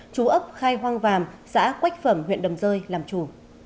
chú ấp khai hoang vàm xã quách phẩm huyện đầm rơi làm chủ